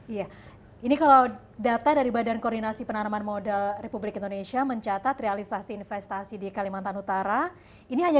iya ini kalau data dari badan koordinasi penanaman modal republik indonesia mencatat realisasi investasi di kalimantan utara ini hanya